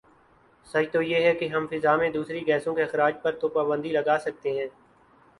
سچ تو یہ ہے کہ ہم فضا میں دوسری گیسوں کے اخراج پر تو پابندی لگاسکتے ہیں